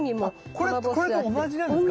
あこれこれと同じなんですか？